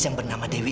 nah kamu tamat tuh